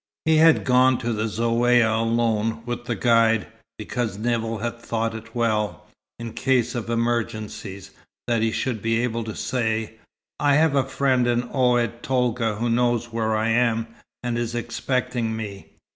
He had gone to the Zaouïa alone with the guide, because Nevill had thought it well, in case of emergencies, that he should be able to say: "I have a friend in Oued Tolga who knows where I am, and is expecting me."